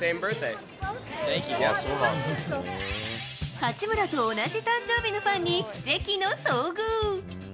八村と同じ誕生日のファンに奇跡の遭遇。